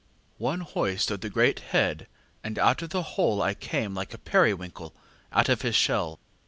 ŌĆÖ). ŌĆ£One hoist of the great head, and out of the hole I came like a periwinkle out of his shell.